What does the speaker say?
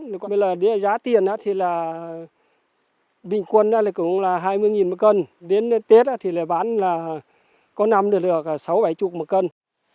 bây giờ là giá tiền thì là bình quân là cũng là hai mươi một cân đến tết thì là bán là có nằm được sáu bảy chục một cân